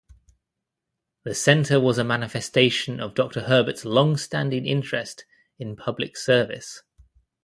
The center was a manifestation of Doctor Herbert's longstanding interest in public service.